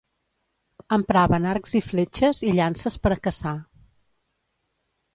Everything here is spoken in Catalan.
Empraven arcs i fletxes i llances per a caçar.